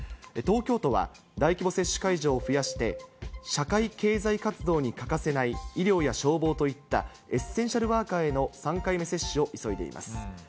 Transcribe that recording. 東京都は、大規模接種会場を増やして、社会経済活動に欠かせない医療や消防といった、エッセンシャルワーカーへの３回目接種を急いでいます。